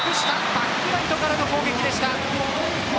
バックライトからの攻撃でした。